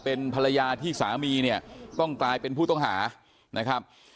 เป็นภรรยาที่สามีเนี่ยต้องกลายเป็นผู้ต้องหานะครับ